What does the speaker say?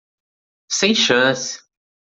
Sem chance!